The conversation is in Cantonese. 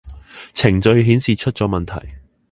程序顯示出咗問題